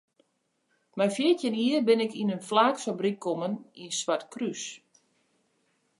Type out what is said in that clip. Mei fjirtjin jier bin ik yn in flaaksfabryk kommen yn Swartkrús.